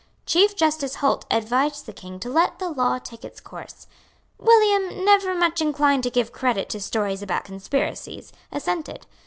Chief Justice Holt advised the King to let the law take its course. William, never much inclined to give credit to stories about conspiracies, assented.